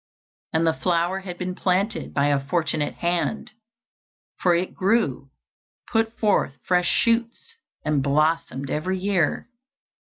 And the flower had been planted by a fortunate hand, for it grew, put forth fresh shoots, and blossomed every year.